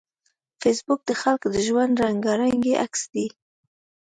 فېسبوک د خلکو د ژوند د رنګارنګۍ عکس دی